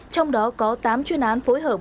trong đó có tám chuyên án phối hợp